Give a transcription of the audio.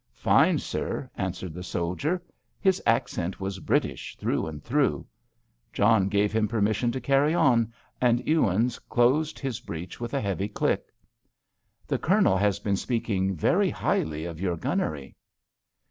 "Fine, sir," answered the soldier. His accent was British through and through. John gave him permission to carry on, and Ewins closed his breech with a heavy click. "The Colonel has been speaking very highly of your gunnery."